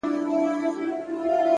دا نجلۍ د دې د هر پرهر گنډونکي ده _